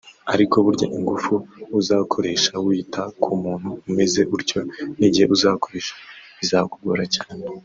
ariko burya ingufu uzakoresha wita ku muntu umeze utyo n’igihe uzakoresha bizakugora cyane